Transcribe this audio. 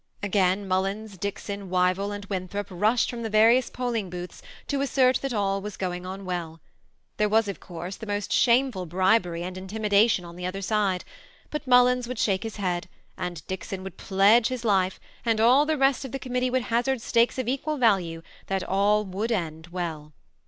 Again Mullins, Dickson, Wyvill, and Winthrop rushed from the various polling booths, to assert that all was going on welL There was of course the* most shameful l^bery and in timidation on the other side ; but Mul^ns wtmld stake THE SEMI ATTAOHED COUPLE. 269 fats bead, aad Dickson would pledge his life, and all the rest of the committee would hazard stakes of equal Talae, that all would end well.